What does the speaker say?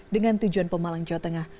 dengan tujuan pemalang jawa tengah